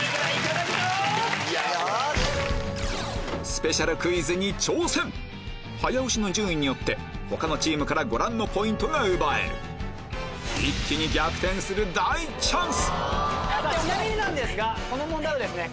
スペシャルクイズに挑戦早押しの順位によって他のチームからご覧のポイントが奪える一気にちなみになんですがこの問題はですね